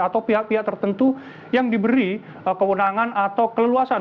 atau pihak pihak tertentu yang diberi kewenangan atau keleluasan